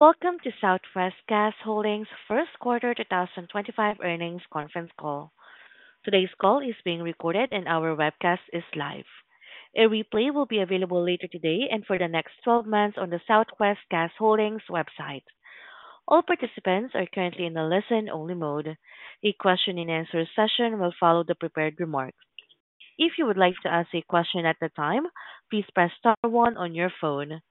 Welcome to Southwest Gas Holdings' first quarter 2025 earnings conference call. Today's call is being recorded, and our webcast is live. A replay will be available later today and for the next 12 months on the Southwest Gas Holdings website. All participants are currently in the listen-only mode. A question-and-answer session will follow the prepared remarks. If you would like to ask a question at the time, please press star one on your phone.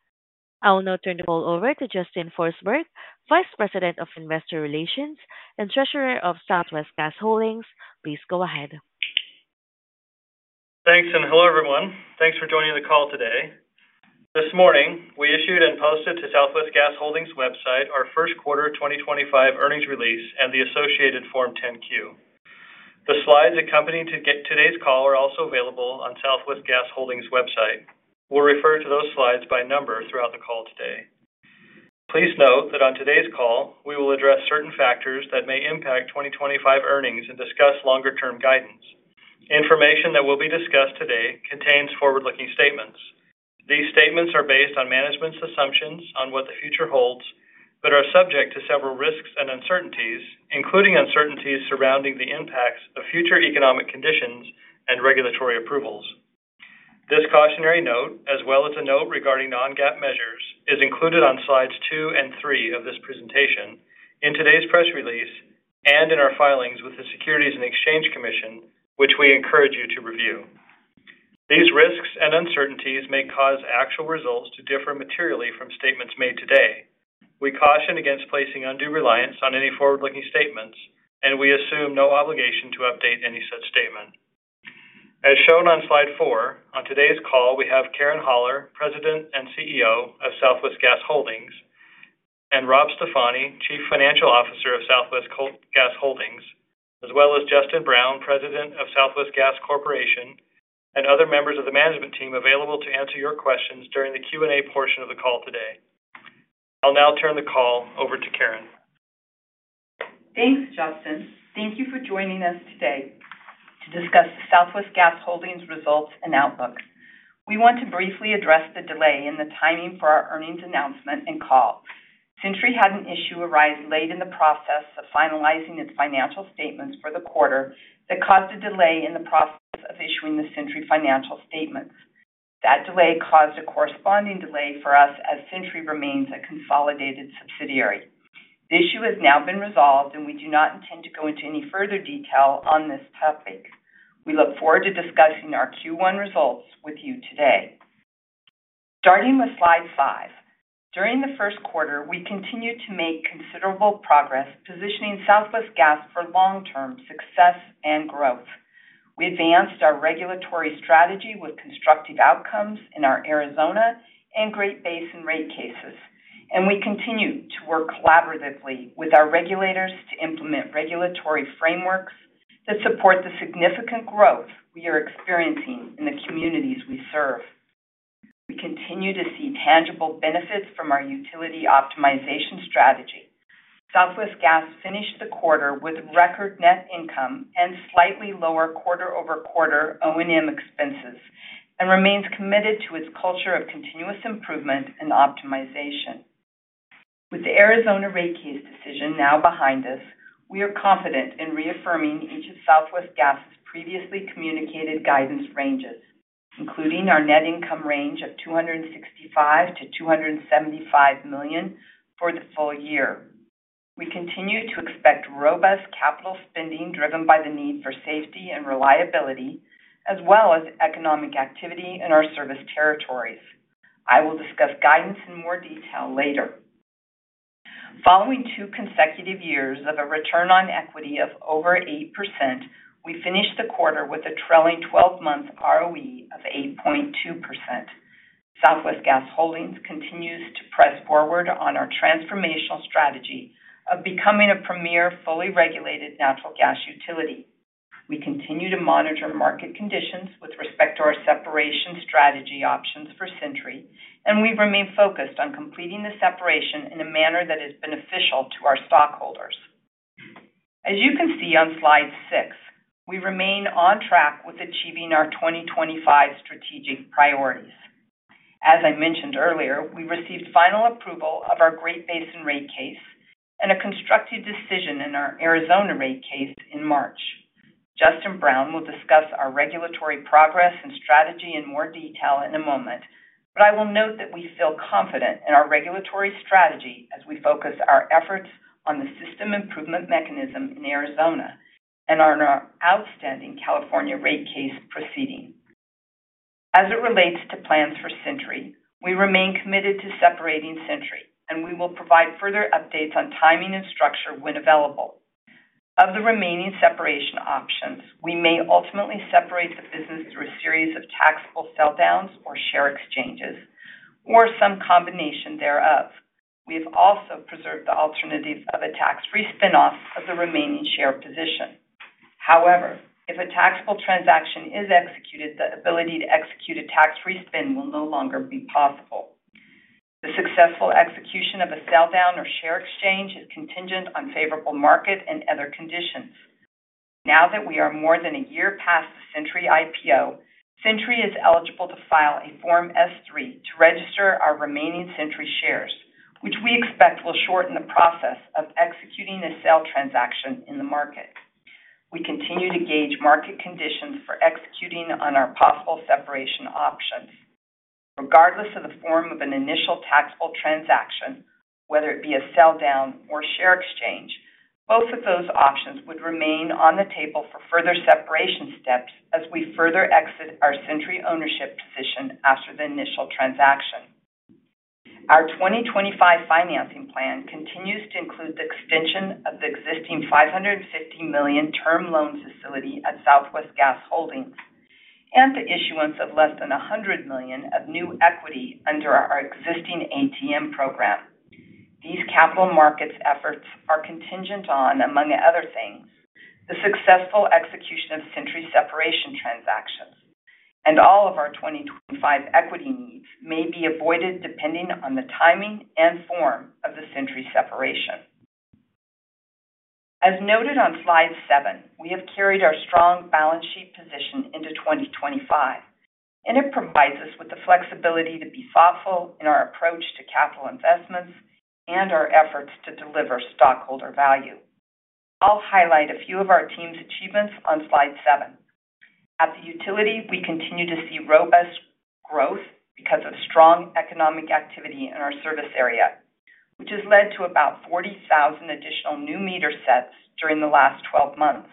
I will now turn the call over to Justin Forsberg, Vice President of Investor Relations and Treasurer of Southwest Gas Holdings. Please go ahead. Thanks, and hello everyone. Thanks for joining the call today. This morning, we issued and posted to Southwest Gas Holdings' website our first quarter 2025 earnings release and the associated Form 10-Q. The slides accompanying today's call are also available on Southwest Gas Holdings' website. We'll refer to those slides by number throughout the call today. Please note that on today's call, we will address certain factors that may impact 2025 earnings and discuss longer-term guidance. Information that will be discussed today contains forward-looking statements. These statements are based on management's assumptions on what the future holds but are subject to several risks and uncertainties, including uncertainties surrounding the impacts of future economic conditions and regulatory approvals. This cautionary note, as well as a note regarding non-GAAP measures, is included on slides two and three of this presentation, in today's press release, and in our filings with the Securities and Exchange Commission, which we encourage you to review. These risks and uncertainties may cause actual results to differ materially from statements made today. We caution against placing undue reliance on any forward-looking statements, and we assume no obligation to update any such statement. As shown on slide four, on today's call, we have Karen Haller, President and CEO of Southwest Gas Holdings, and Rob Stefani, Chief Financial Officer of Southwest Gas Holdings, as well as Justin Brown, President of Southwest Gas Corporation, and other members of the management team available to answer your questions during the Q&A portion of the call today. I'll now turn the call over to Karen. Thanks, Justin. Thank you for joining us today to discuss the Southwest Gas Holdings' results and outlook. We want to briefly address the delay in the timing for our earnings announcement and call. Centuri Holdings had an issue arise late in the process of finalizing its financial statements for the quarter that caused a delay in the process of issuing the Centuri Holdings financial statements. That delay caused a corresponding delay for us as Centuri Holdings remains a consolidated subsidiary. The issue has now been resolved, and we do not intend to go into any further detail on this topic. We look forward to discussing our Q1 results with you today. Starting with slide five, during the first quarter, we continued to make considerable progress, positioning Southwest Gas for long-term success and growth. We advanced our regulatory strategy with constructive outcomes in our Arizona and Great Basin rate cases, and we continue to work collaboratively with our regulators to implement regulatory frameworks that support the significant growth we are experiencing in the communities we serve. We continue to see tangible benefits from our utility optimization strategy. Southwest Gas finished the quarter with record net income and slightly lower quarter-over-quarter O&M expenses and remains committed to its culture of continuous improvement and optimization. With the Arizona rate case decision now behind us, we are confident in reaffirming each of Southwest Gas's previously communicated guidance ranges, including our net income range of $265-$275 million for the full year. We continue to expect robust capital spending driven by the need for safety and reliability, as well as economic activity in our service territories. I will discuss guidance in more detail later. Following two consecutive years of a return on equity of over 8%, we finished the quarter with a trailing 12-month ROE of 8.2%. Southwest Gas Holdings continues to press forward on our transformational strategy of becoming a premier fully regulated natural gas utility. We continue to monitor market conditions with respect to our separation strategy options for Centuri Holdings, and we remain focused on completing the separation in a manner that is beneficial to our stockholders. As you can see on slide six, we remain on track with achieving our 2025 strategic priorities. As I mentioned earlier, we received final approval of our Great Basin rate case and a constructive decision in our Arizona rate case in March. Justin Brown will discuss our regulatory progress and strategy in more detail in a moment, but I will note that we feel confident in our regulatory strategy as we focus our efforts on the system improvement mechanism in Arizona and on our outstanding California rate case proceeding. As it relates to plans for Centuri Holdings, we remain committed to separating Centuri Holdings, and we will provide further updates on timing and structure when available. Of the remaining separation options, we may ultimately separate the business through a series of taxable sell-downs or share exchanges, or some combination thereof. We have also preserved the alternative of a tax-free spin-off of the remaining share position. However, if a taxable transaction is executed, the ability to execute a tax-free spin will no longer be possible. The successful execution of a sell-down or share exchange is contingent on favorable market and other conditions. Now that we are more than a year past the Centuri Holdings IPO, Centuri Holdings is eligible to file a Form S-3 to register our remaining Centuri Holdings shares, which we expect will shorten the process of executing a sell transaction in the market. We continue to gauge market conditions for executing on our possible separation options. Regardless of the form of an initial taxable transaction, whether it be a sell-down or share exchange, both of those options would remain on the table for further separation steps as we further exit our Centuri Holdings ownership position after the initial transaction. Our 2025 financing plan continues to include the extension of the existing $550 million term loan facility at Southwest Gas Holdings and the issuance of less than $100 million of new equity under our existing ATM program. These capital markets efforts are contingent on, among other things, the successful execution of Centuri separation transactions, and all of our 2025 equity needs may be avoided depending on the timing and form of the Centuri separation. As noted on slide seven, we have carried our strong balance sheet position into 2025, and it provides us with the flexibility to be thoughtful in our approach to capital investments and our efforts to deliver stockholder value. I'll highlight a few of our team's achievements on slide seven. At the utility, we continue to see robust growth because of strong economic activity in our service area, which has led to about 40,000 additional new meter sets during the last 12 months.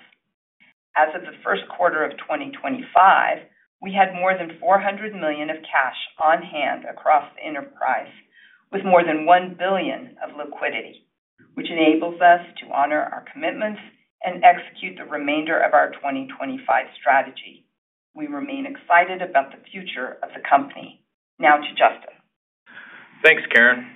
As of the first quarter of 2025, we had more than $400 million of cash on hand across the enterprise, with more than $1 billion of liquidity, which enables us to honor our commitments and execute the remainder of our 2025 strategy. We remain excited about the future of the company. Now to Justin. Thanks, Karen.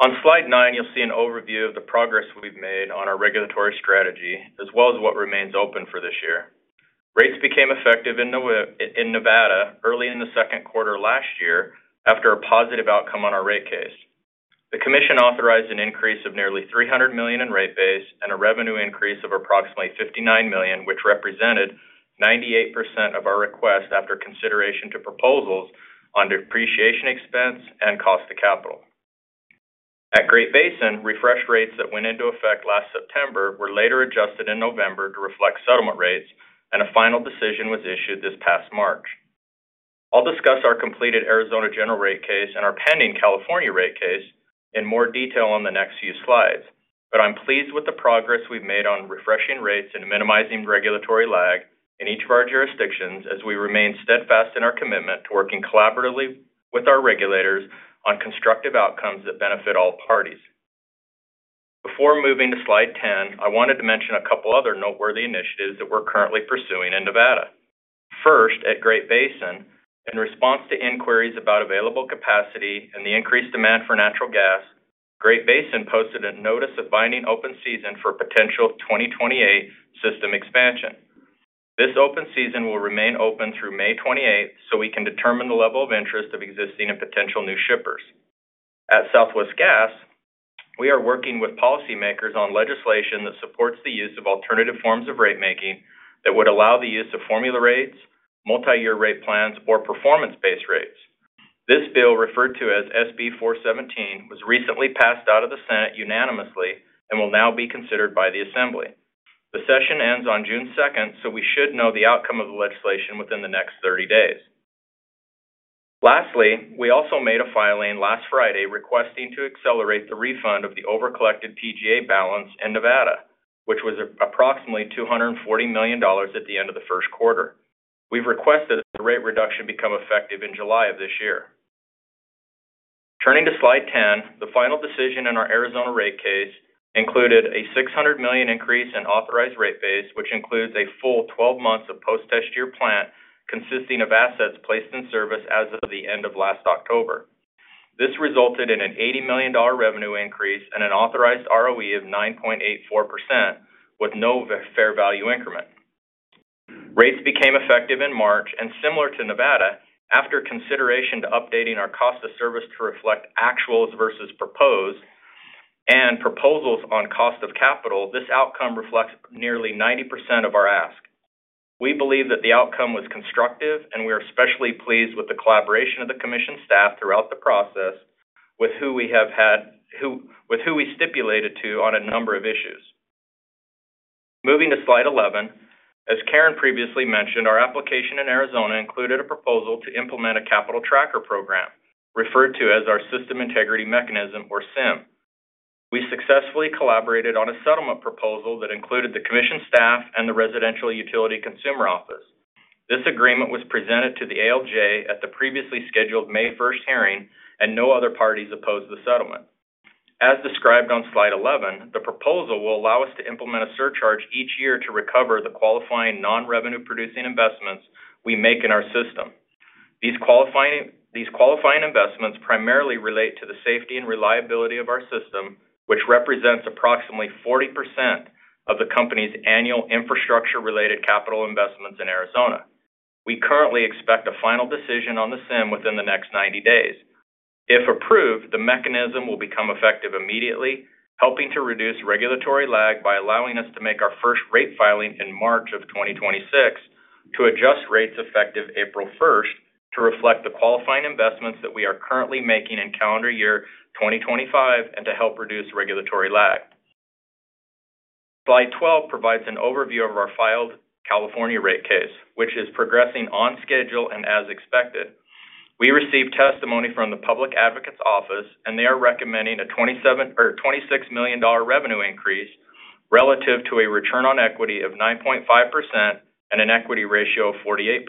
On slide nine, you'll see an overview of the progress we've made on our regulatory strategy, as well as what remains open for this year. Rates became effective in Nevada early in the second quarter last year after a positive outcome on our rate case. The Commission authorized an increase of nearly $300 million in rate base and a revenue increase of approximately $59 million, which represented 98% of our request after consideration to proposals on depreciation expense and cost of capital. At Great Basin, refreshed rates that went into effect last September were later adjusted in November to reflect settlement rates, and a final decision was issued this past March. I'll discuss our completed Arizona general rate case and our pending California rate case in more detail on the next few slides, but I'm pleased with the progress we've made on refreshing rates and minimizing regulatory lag in each of our jurisdictions as we remain steadfast in our commitment to working collaboratively with our regulators on constructive outcomes that benefit all parties. Before moving to slide ten, I wanted to mention a couple of other noteworthy initiatives that we're currently pursuing in Nevada. First, at Great Basin, in response to inquiries about available capacity and the increased demand for natural gas, Great Basin posted a notice of binding open season for a potential 2028 system expansion. This open season will remain open through May 28th, so we can determine the level of interest of existing and potential new shippers. At Southwest Gas, we are working with policymakers on legislation that supports the use of alternative forms of rate-making that would allow the use of formula rates, multi-year rate plans, or performance-based rates. This bill, referred to as SB 417, was recently passed out of the Senate unanimously and will now be considered by the Assembly. The session ends on June 2, 2024, so we should know the outcome of the legislation within the next 30 days. Lastly, we also made a filing last Friday requesting to accelerate the refund of the over-collected PGA balance in Nevada, which was approximately $240 million at the end of the first quarter. We've requested that the rate reduction become effective in July of this year. Turning to slide ten, the final decision in our Arizona rate case included a $600 million increase in authorized rate base, which includes a full 12 months of post-test year plant consisting of assets placed in service as of the end of last October. This resulted in an $80 million revenue increase and an authorized ROE of 9.84% with no fair value increment. Rates became effective in March, and similar to Nevada, after consideration to updating our cost of service to reflect actuals versus proposed and proposals on cost of capital, this outcome reflects nearly 90% of our ask. We believe that the outcome was constructive, and we are especially pleased with the collaboration of the Commission staff throughout the process with who we have had, with who we stipulated to on a number of issues. Moving to slide 11, as Karen previously mentioned, our application in Arizona included a proposal to implement a capital tracker program referred to as our system integrity mechanism, or SIM. We successfully collaborated on a settlement proposal that included the Commission staff and the Residential Utility Consumer Office. This agreement was presented to the ALJ at the previously scheduled May 1 hearing, and no other parties opposed the settlement. As described on slide 11, the proposal will allow us to implement a surcharge each year to recover the qualifying non-revenue-producing investments we make in our system. These qualifying investments primarily relate to the safety and reliability of our system, which represents approximately 40% of the company's annual infrastructure-related capital investments in Arizona. We currently expect a final decision on the SIM within the next 90 days. If approved, the mechanism will become effective immediately, helping to reduce regulatory lag by allowing us to make our first rate filing in March of 2026 to adjust rates effective April 1 to reflect the qualifying investments that we are currently making in calendar year 2025 and to help reduce regulatory lag. Slide 12 provides an overview of our filed California rate case, which is progressing on schedule and as expected. We received testimony from the Public Advocate's Office, and they are recommending a $26 million revenue increase relative to a return on equity of 9.5% and an equity ratio of 48%.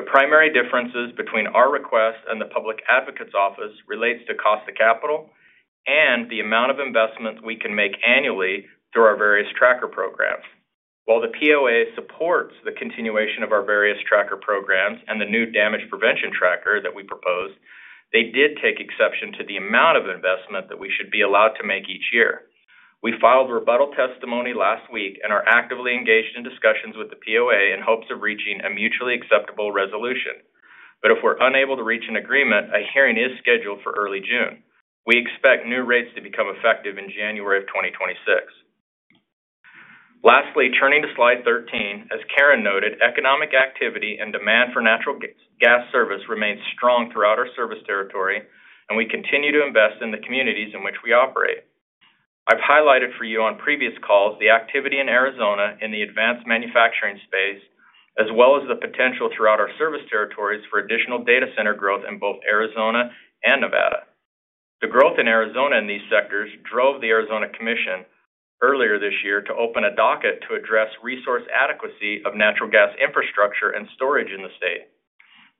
The primary differences between our request and the Public Advocate's Office relate to cost of capital and the amount of investment we can make annually through our various tracker programs. While the POA supports the continuation of our various tracker programs and the new damage prevention tracker that we proposed, they did take exception to the amount of investment that we should be allowed to make each year. We filed rebuttal testimony last week and are actively engaged in discussions with the POA in hopes of reaching a mutually acceptable resolution. If we're unable to reach an agreement, a hearing is scheduled for early June. We expect new rates to become effective in January of 2026. Lastly, turning to slide 13, as Karen noted, economic activity and demand for natural gas service remains strong throughout our service territory, and we continue to invest in the communities in which we operate. I've highlighted for you on previous calls the activity in Arizona in the advanced manufacturing space, as well as the potential throughout our service territories for additional data center growth in both Arizona and Nevada. The growth in Arizona in these sectors drove the Arizona Commission earlier this year to open a docket to address resource adequacy of natural gas infrastructure and storage in the state.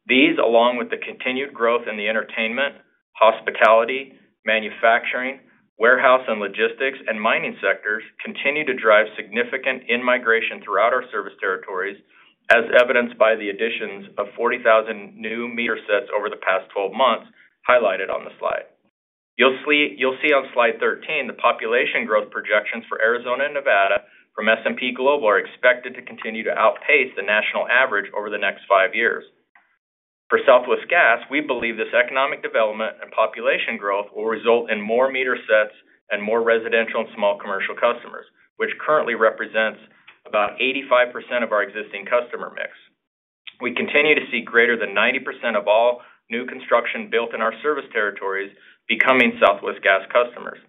These, along with the continued growth in the entertainment, hospitality, manufacturing, warehouse and logistics, and mining sectors, continue to drive significant in-migration throughout our service territories, as evidenced by the additions of 40,000 new meter sets over the past 12 months highlighted on the slide. You'll see on slide 13 the population growth projections for Arizona and Nevada from S&P Global are expected to continue to outpace the national average over the next five years. For Southwest Gas, we believe this economic development and population growth will result in more meter sets and more residential and small commercial customers, which currently represents about 85% of our existing customer mix. We continue to see greater than 90% of all new construction built in our service territories becoming Southwest Gas customers.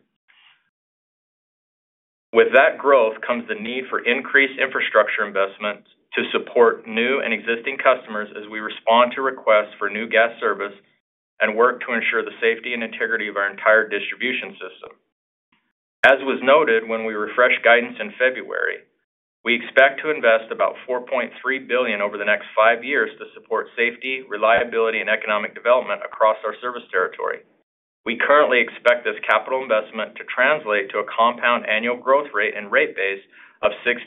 With that growth comes the need for increased infrastructure investments to support new and existing customers as we respond to requests for new gas service and work to ensure the safety and integrity of our entire distribution system. As was noted when we refreshed guidance in February, we expect to invest about $4.3 billion over the next five years to support safety, reliability, and economic development across our service territory. We currently expect this capital investment to translate to a compound annual growth rate and rate base of 6-8%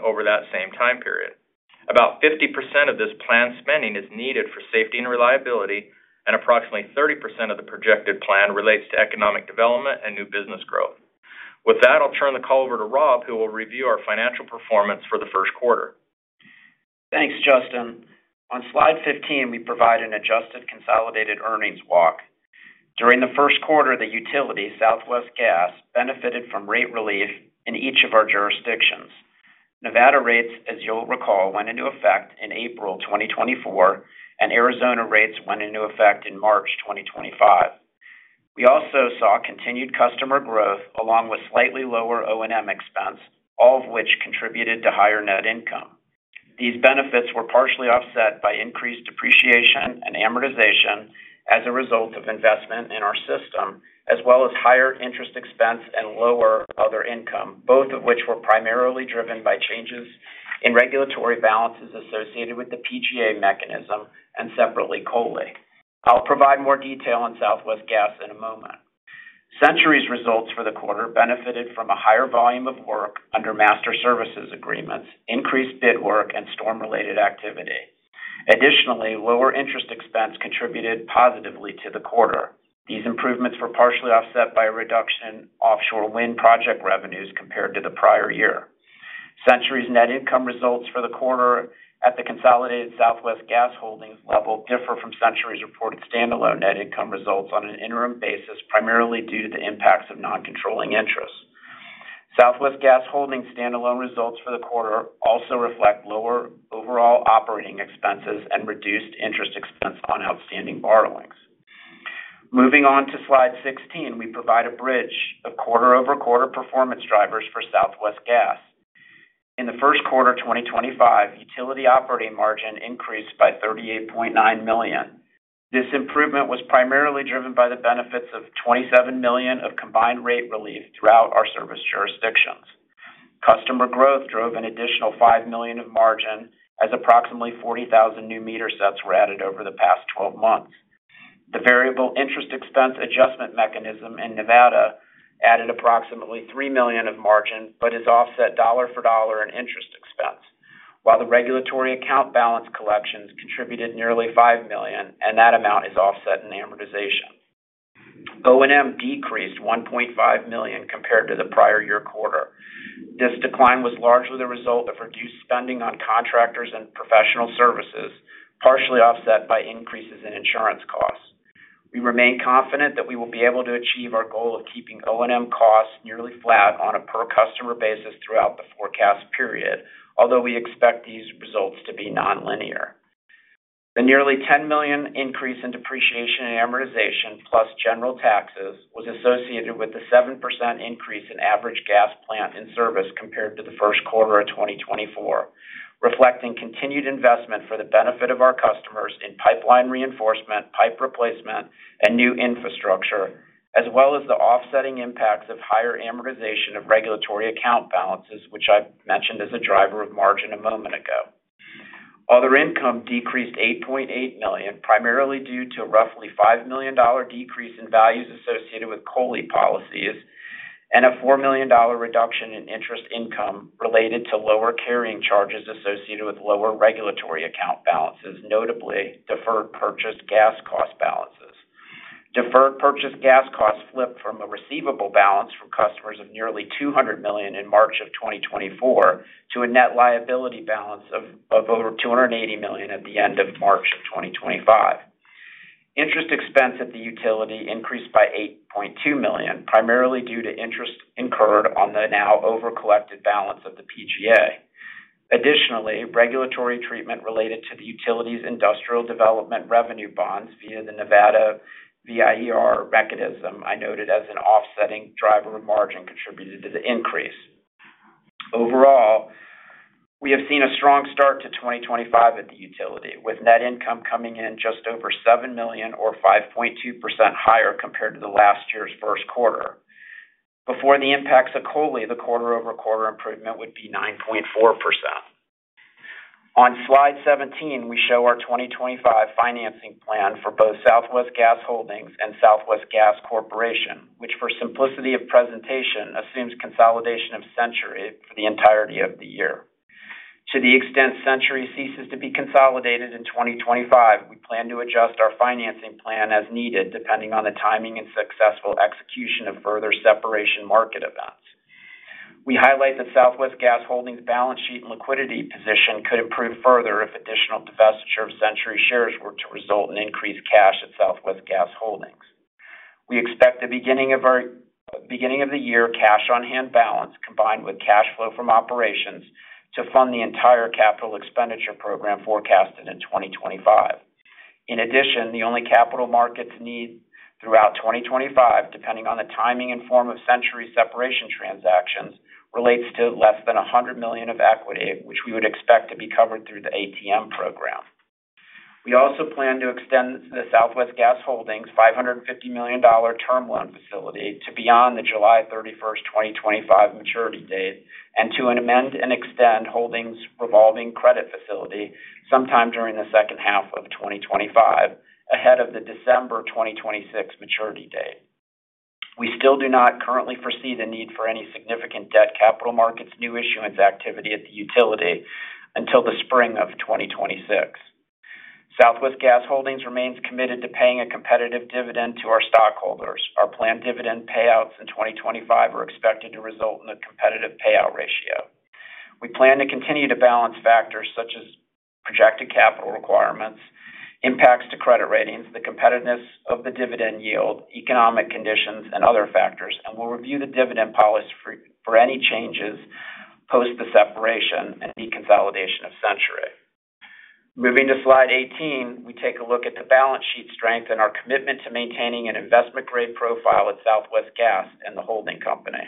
over that same time period. About 50% of this planned spending is needed for safety and reliability, and approximately 30% of the projected plan relates to economic development and new business growth. With that, I'll turn the call over to Rob, who will review our financial performance for the first quarter. Thanks, Justin. On slide 15, we provide an adjusted consolidated earnings walk. During the first quarter, the utility, Southwest Gas, benefited from rate relief in each of our jurisdictions. Nevada rates, as you'll recall, went into effect in April 2024, and Arizona rates went into effect in March 2025. We also saw continued customer growth along with slightly lower O&M expense, all of which contributed to higher net income. These benefits were partially offset by increased depreciation and amortization as a result of investment in our system, as well as higher interest expense and lower other income, both of which were primarily driven by changes in regulatory balances associated with the PGA mechanism and separately Coley. I'll provide more detail on Southwest Gas in a moment. Centuri's results for the quarter benefited from a higher volume of work under master services agreements, increased bid work, and storm-related activity. Additionally, lower interest expense contributed positively to the quarter. These improvements were partially offset by a reduction in offshore wind project revenues compared to the prior year. Centuri's net income results for the quarter at the consolidated Southwest Gas Holdings level differ from Centuri's reported standalone net income results on an interim basis, primarily due to the impacts of non-controlling interest. Southwest Gas Holdings' standalone results for the quarter also reflect lower overall operating expenses and reduced interest expense on outstanding borrowings. Moving on to slide 16, we provide a bridge of quarter-over-quarter performance drivers for Southwest Gas. In the first quarter of 2025, utility operating margin increased by $38.9 million. This improvement was primarily driven by the benefits of $27 million of combined rate relief throughout our service jurisdictions. Customer growth drove an additional $5 million of margin as approximately 40,000 new meter sets were added over the past 12 months. The variable interest expense adjustment mechanism in Nevada added approximately $3 million of margin but is offset dollar-for-dollar in interest expense, while the regulatory account balance collections contributed nearly $5 million, and that amount is offset in amortization. O&M decreased $1.5 million compared to the prior year quarter. This decline was largely the result of reduced spending on contractors and professional services, partially offset by increases in insurance costs. We remain confident that we will be able to achieve our goal of keeping O&M costs nearly flat on a per-customer basis throughout the forecast period, although we expect these results to be non-linear. The nearly $10 million increase in depreciation and amortization, plus general taxes, was associated with the 7% increase in average gas plant in service compared to the first quarter of 2024, reflecting continued investment for the benefit of our customers in pipeline reinforcement, pipe replacement, and new infrastructure, as well as the offsetting impacts of higher amortization of regulatory account balances, which I mentioned as a driver of margin a moment ago. Other income decreased $8.8 million, primarily due to a roughly $5 million decrease in values associated with Coley policies and a $4 million reduction in interest income related to lower carrying charges associated with lower regulatory account balances, notably deferred purchased gas cost balances. Deferred purchased gas costs flipped from a receivable balance for customers of nearly $200 million in March of 2024 to a net liability balance of over $280 million at the end of March of 2025. Interest expense at the utility increased by $8.2 million, primarily due to interest incurred on the now over-collected balance of the PGA. Additionally, regulatory treatment related to the utility's industrial development revenue bonds via the Nevada VIEM mechanism I noted as an offsetting driver of margin contributed to the increase. Overall, we have seen a strong start to 2025 at the utility, with net income coming in just over $7 million, or 5.2% higher compared to last year's first quarter. Before the impacts of Coley, the quarter-over-quarter improvement would be 9.4%. On slide 17, we show our 2025 financing plan for both Southwest Gas Holdings and Southwest Gas Corporation, which, for simplicity of presentation, assumes consolidation of Centuri for the entirety of the year. To the extent Centuri ceases to be consolidated in 2025, we plan to adjust our financing plan as needed, depending on the timing and successful execution of further separation market events. We highlight that Southwest Gas Holdings' balance sheet and liquidity position could improve further if additional divestiture of Centuri shares were to result in increased cash at Southwest Gas Holdings. We expect the beginning of the year cash-on-hand balance, combined with cash flow from operations, to fund the entire capital expenditure program forecasted in 2025. In addition, the only capital markets need throughout 2025, depending on the timing and form of Centuri's separation transactions, relates to less than $100 million of equity, which we would expect to be covered through the ATM program. We also plan to extend the Southwest Gas Holdings' $550 million term loan facility to beyond the July 31, 2025, maturity date and to amend and extend Holdings' revolving credit facility sometime during the second half of 2025, ahead of the December 2026 maturity date. We still do not currently foresee the need for any significant debt capital markets new issuance activity at the utility until the spring of 2026. Southwest Gas Holdings remains committed to paying a competitive dividend to our stockholders. Our planned dividend payouts in 2025 are expected to result in a competitive payout ratio. We plan to continue to balance factors such as projected capital requirements, impacts to credit ratings, the competitiveness of the dividend yield, economic conditions, and other factors, and we'll review the dividend policy for any changes post the separation and deconsolidation of Centuri. Moving to slide 18, we take a look at the balance sheet strength and our commitment to maintaining an investment-grade profile at Southwest Gas and the holding company.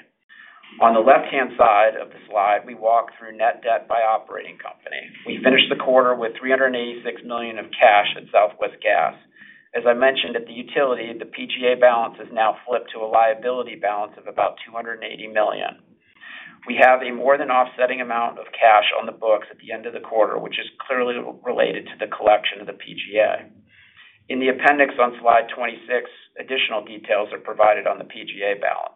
On the left-hand side of the slide, we walk through net debt by operating company. We finished the quarter with $386 million of cash at Southwest Gas. As I mentioned at the utility, the PGA balance is now flipped to a liability balance of about $280 million. We have a more than offsetting amount of cash on the books at the end of the quarter, which is clearly related to the collection of the PGA. In the appendix on slide 26, additional details are provided on the PGA balance.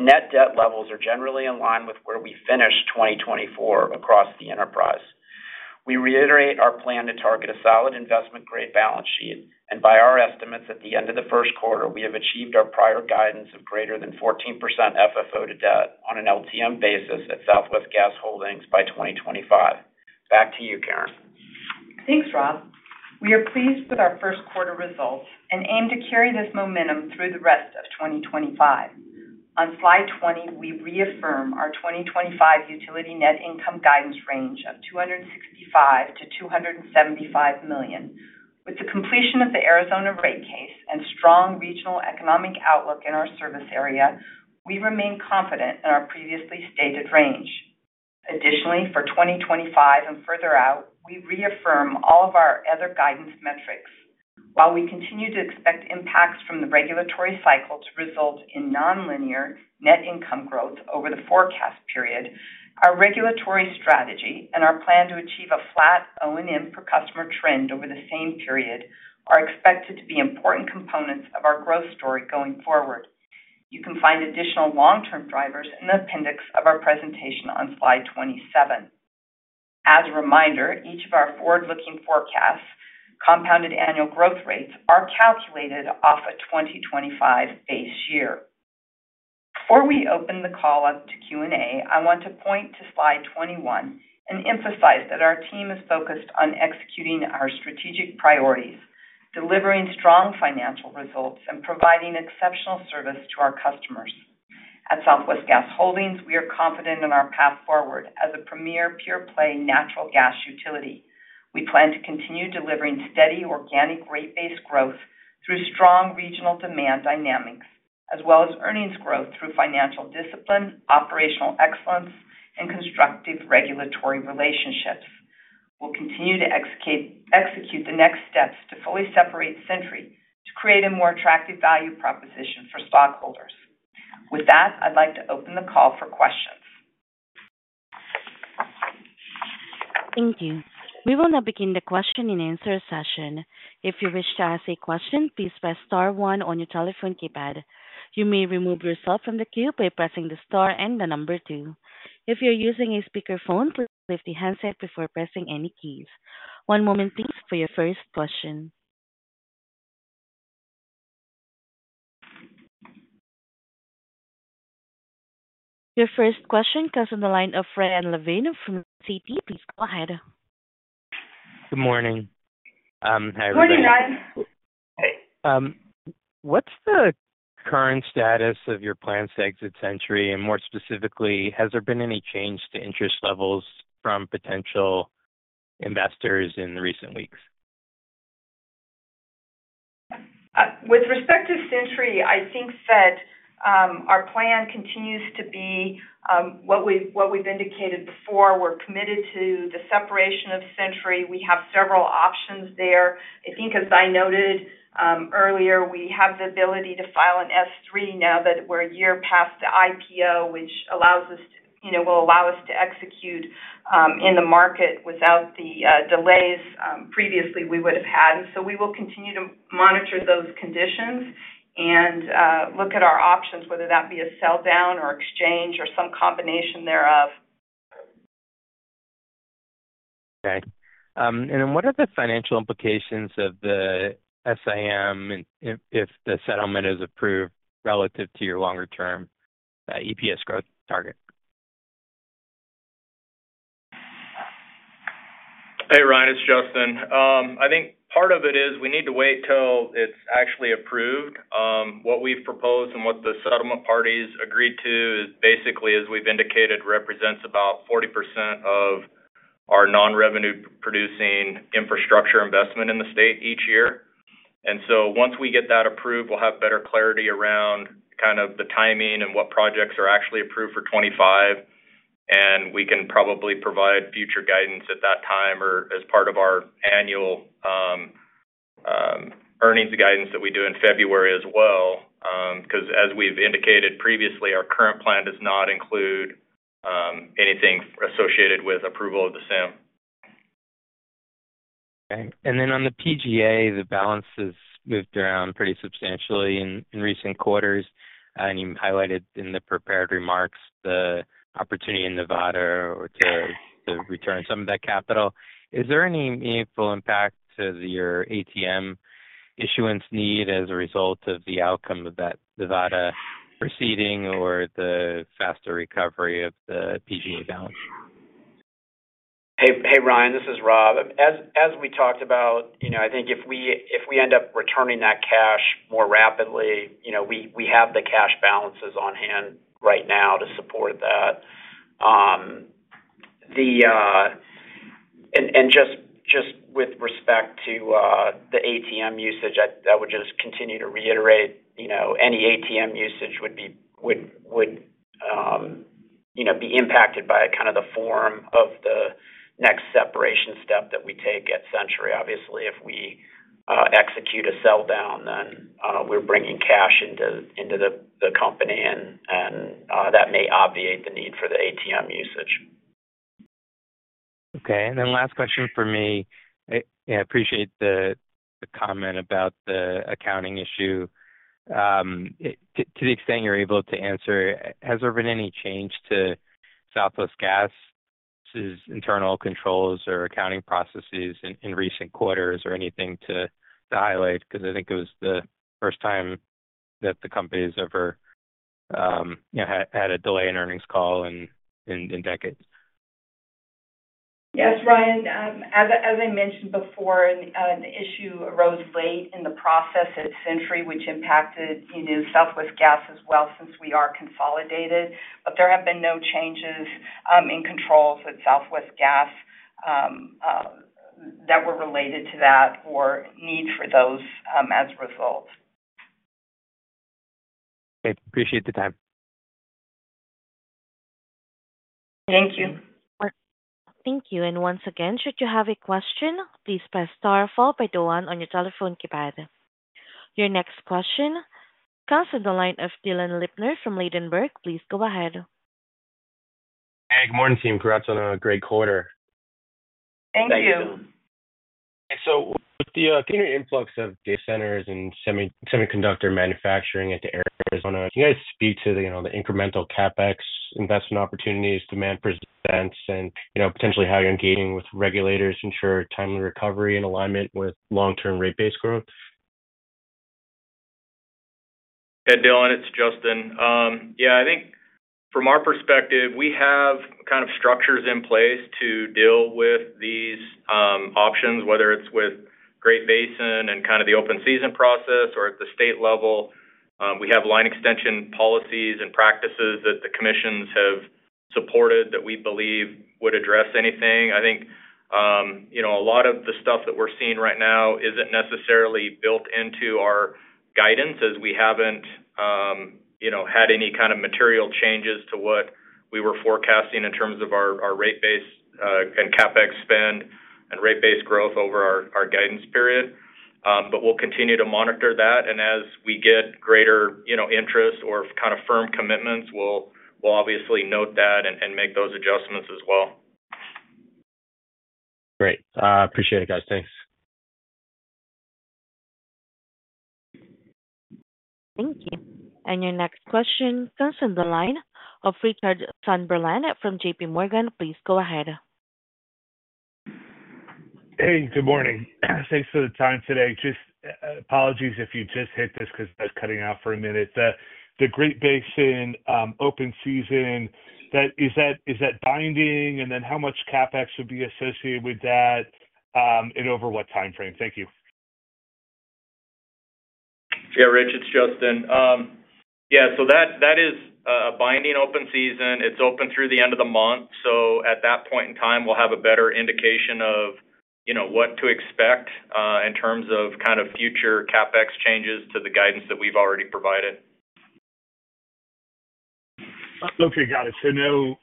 Net debt levels are generally in line with where we finished 2024 across the enterprise. We reiterate our plan to target a solid investment-grade balance sheet, and by our estimates at the end of the first quarter, we have achieved our prior guidance of greater than 14% FFO to debt on an LTM basis at Southwest Gas Holdings by 2025. Back to you, Karen. Thanks, Rob. We are pleased with our first quarter results and aim to carry this momentum through the rest of 2025. On slide 20, we reaffirm our 2025 utility net income guidance range of $265-$275 million. With the completion of the Arizona rate case and strong regional economic outlook in our service area, we remain confident in our previously stated range. Additionally, for 2025 and further out, we reaffirm all of our other guidance metrics. While we continue to expect impacts from the regulatory cycle to result in non-linear net income growth over the forecast period, our regulatory strategy and our plan to achieve a flat O&M per customer trend over the same period are expected to be important components of our growth story going forward. You can find additional long-term drivers in the appendix of our presentation on slide 27. As a reminder, each of our forward-looking forecasts, compounded annual growth rates are calculated off a 2025 base year. Before we open the call up to Q&A, I want to point to slide 21 and emphasize that our team is focused on executing our strategic priorities, delivering strong financial results, and providing exceptional service to our customers. At Southwest Gas Holdings, we are confident in our path forward as a premier pure-play natural gas utility. We plan to continue delivering steady organic rate-based growth through strong regional demand dynamics, as well as earnings growth through financial discipline, operational excellence, and constructive regulatory relationships. We'll continue to execute the next steps to fully separate Centuri to create a more attractive value proposition for stockholders. With that, I'd like to open the call for questions. Thank you. We will now begin the question-and-answer session. If you wish to ask a question, please press Star 1 on your telephone keypad. You may remove yourself from the queue by pressing the Star and the number 2. If you're using a speakerphone, please lift the handset before pressing any keys. One moment, please, for your first question. Your first question comes from the line of Ryan Levine from Citi. Please go ahead. Good morning. Hi, everybody. Morning, Ryan. Hey. What's the current status of your plans to exit Centuri? And more specifically, has there been any change to interest levels from potential investors in recent weeks? With respect to Centuri, I think that our plan continues to be what we've indicated before. We're committed to the separation of Centuri. We have several options there. I think, as I noted earlier, we have the ability to file an S-3 now that we're a year past the IPO, which will allow us to execute in the market without the delays previously we would have had. We will continue to monitor those conditions and look at our options, whether that be a sell down or exchange or some combination thereof. Okay. What are the financial implications of the SIM if the settlement is approved relative to your longer-term EPS growth target? Hey, Ryan, it's Justin. I think part of it is we need to wait till it's actually approved. What we've proposed and what the settlement parties agreed to is basically, as we've indicated, represents about 40% of our non-revenue-producing infrastructure investment in the state each year. Once we get that approved, we'll have better clarity around kind of the timing and what projects are actually approved for 2025. We can probably provide future guidance at that time or as part of our annual earnings guidance that we do in February as well. Because as we've indicated previously, our current plan does not include anything associated with approval of the SIM. Okay. On the PGA, the balance has moved around pretty substantially in recent quarters. You highlighted in the prepared remarks the opportunity in Nevada to return some of that capital. Is there any meaningful impact to your ATM issuance need as a result of the outcome of that Nevada proceeding or the faster recovery of the PGA balance? Hey, Ryan, this is Rob. As we talked about, I think if we end up returning that cash more rapidly, we have the cash balances on hand right now to support that. Just with respect to the ATM usage, I would just continue to reiterate any ATM usage would be impacted by kind of the form of the next separation step that we take at Centuri. Obviously, if we execute a sell down, then we're bringing cash into the company, and that may obviate the need for the ATM usage. Okay. And then last question for me. I appreciate the comment about the accounting issue. To the extent you're able to answer, has there been any change to Southwest Gas' internal controls or accounting processes in recent quarters or anything to highlight? Because I think it was the first time that the company has ever had a delay in earnings call in decades. Yes, Ryan. As I mentioned before, an issue arose late in the process at Centuri, which impacted Southwest Gas as well since we are consolidated. There have been no changes in controls at Southwest Gas that were related to that or need for those as a result. Great. Appreciate the time. Thank you. Thank you. And once again, should you have a question, please press Star, followed by the one on your telephone keypad. Your next question comes from the line of Dylan Lipner from Ladenburg. Please go ahead. Hey, good morning, team. Congrats on a great quarter. Thank you. Thank you. So. With the continued influx of data centers and semiconductor manufacturing in Arizona, can you guys speak to the incremental CapEx investment opportunities, demand for events, and potentially how you're engaging with regulators to ensure timely recovery and alignment with long-term rate-based growth? Hey, Dylan, it's Justin. Yeah, I think from our perspective, we have kind of structures in place to deal with these options, whether it's with Great Basin and kind of the open season process or at the state level. We have line extension policies and practices that the commissions have supported that we believe would address anything. I think a lot of the stuff that we're seeing right now isn't necessarily built into our guidance, as we haven't had any kind of material changes to what we were forecasting in terms of our rate base and CapEx spend and rate base growth over our guidance period. We'll continue to monitor that. As we get greater interest or kind of firm commitments, we'll obviously note that and make those adjustments as well. Great. Appreciate it, guys. Thanks. Thank you. Your next question comes from the line of Richard Sunderland from J.P. Morgan. Please go ahead. Hey, good morning. Thanks for the time today. Apologies if you just hit this because that's cutting out for a minute. The Great Basin open season, is that binding? How much CapEx would be associated with that and over what time frame? Thank you. Yeah, Richard, it's Justin. Yeah, so that is a binding open season. It's open through the end of the month. At that point in time, we'll have a better indication of what to expect in terms of kind of future CapEx changes to the guidance that we've already provided. Okay, got it. No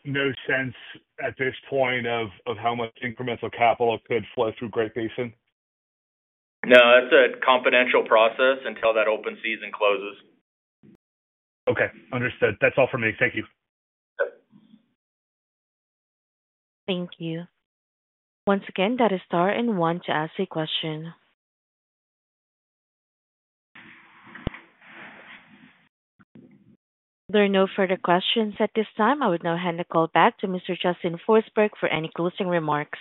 sense at this point of how much incremental capital could flow through Great Basin? No, that's a confidential process until that open season closes. Okay. Understood. That's all from me. Thank you. Thank you. Once again, that is star and one to ask a question. There are no further questions at this time. I would now hand the call back to Mr. Justin Forsberg for any closing remarks.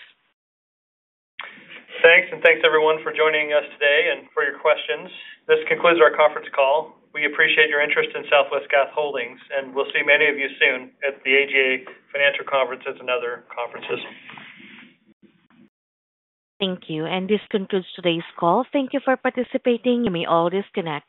Thanks. Thanks, everyone, for joining us today and for your questions. This concludes our conference call. We appreciate your interest in Southwest Gas Holdings, and we'll see many of you soon at the AGA Financial Conference and other conferences. Thank you. This concludes today's call. Thank you for participating. You may always connect.